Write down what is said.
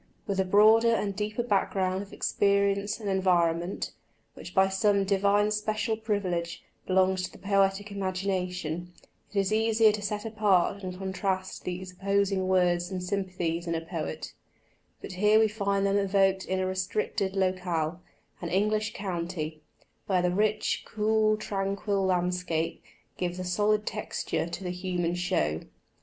With a broader and deeper background of experience and environment, which by some divine special privilege belongs to the poetic imagination, it is easier to set apart and contrast these opposing words and sympathies in a poet; but here we find them evoked in a restricted locale an English county where the rich, cool tranquil landscape gives a solid texture to the human show.